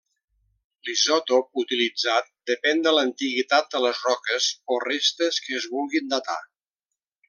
L'isòtop utilitzat depèn de l'antiguitat de les roques o restes que es vulguin datar.